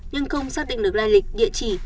nhưng không xác định được lai lịch địa chỉ